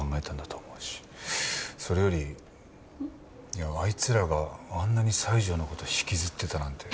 いやあいつらがあんなに西条の事引きずってたなんて。